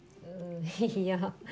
いや。